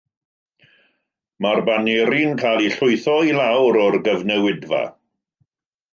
Mae'r baneri'n cael eu llwytho i lawr o'r gyfnewidfa.